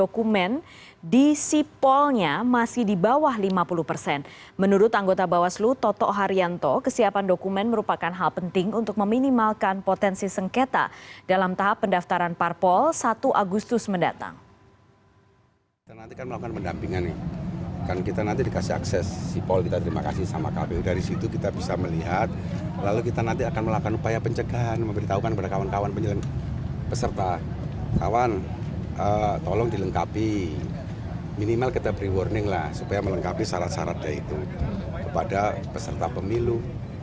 kita akan mendampingkan kita nanti dikasih akses si paul kita terima kasih sama kpu dari situ kita bisa melihat lalu kita nanti akan melakukan upaya pencegahan memberitahukan kepada kawan kawan penyelenggara peserta kawan tolong dilengkapi minimal kita beri warning lah supaya melengkapi syarat syaratnya itu kepada peserta pemilu